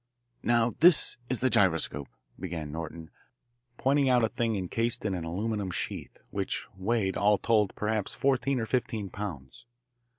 "Now this is the gyroscope," began Norton, pointing out a thing encased in an aluminum sheath, which weighed, all told, perhaps fourteen or fifteen pounds.